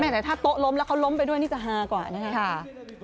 แต่ถ้าโต๊ะล้มแล้วเขาล้มไปด้วยนี่จะฮากว่านะครับ